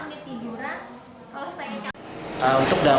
pembangunan di kota palangkaraya diperlukan untuk berobat